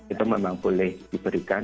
itu memang boleh diberikan